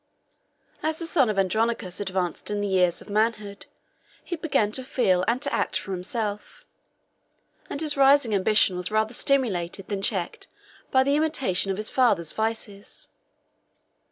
As the son of Andronicus advanced in the years of manhood, he began to feel and to act for himself; and his rising ambition was rather stimulated than checked by the imitation of his father's vices.